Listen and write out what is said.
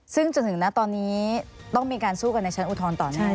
ซึ่งจนถึงณตอนนี้ต้องมีการสู้กันในชั้นอุทธรณ์ต่อหน้า